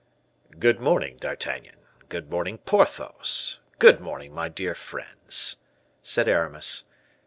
"Good morning, D'Artagnan; good morning, Porthos; good morning, my dear friends," said Aramis.